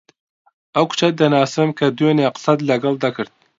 ئەو کچە دەناسم کە دوێنێ قسەت لەگەڵ دەکرد.